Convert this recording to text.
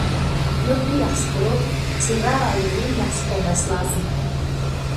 يۇرتنى ياخشى قۇرۇپ، چېگرا رايوننى ياخشى قوغداش لازىم.